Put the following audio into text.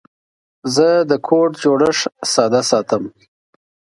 زه د کوډ جوړښت ساده ساتم.